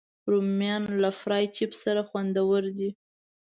رومیان له فرای چپس سره خوندور دي